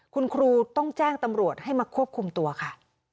คุณครูต้องแจ้งตำรวจให้มาควบคุมตัวค่ะ